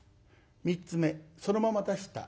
３つ目そのまま出した。